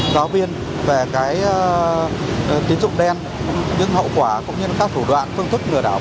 giáo viên về cái tín dụng đen những hậu quả cũng như là các thủ đoạn phương thức ngừa đảo